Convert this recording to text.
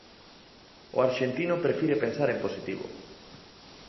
O arxentino prefire pensar en positivo.